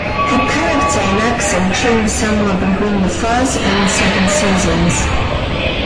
Her character and accent changed somewhat between the first and second seasons.